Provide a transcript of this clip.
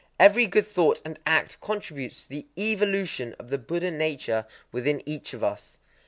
Every good thought and act contributes to the evolution of the Buddha nature within each of us.